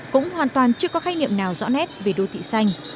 cũng hoàn toàn chưa có khái niệm nào rõ nét về đô thị xanh